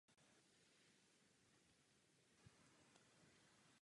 Tak se také stane a jeho druhou stranou se dostane opět do normálního vesmíru.